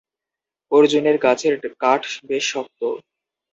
অর্জুনের গাছের কাঠ বেশ শক্ত।